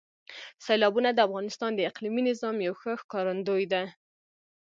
سیلابونه د افغانستان د اقلیمي نظام یو ښه ښکارندوی ده.